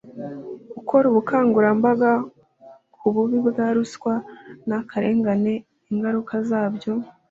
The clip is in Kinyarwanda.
rukora ubukangurambaga ku bubi bwa ruswa n akarengane ingaruka zabyo